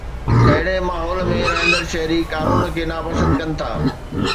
اهڙي ماحول ۾ رهندڙ شهري قانون کي ناپسند ڪن ٿا